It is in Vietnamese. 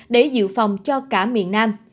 để dự phòng cho cả miền nam